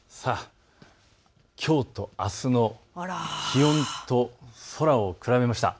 きょうとあすの気温と空を比べました。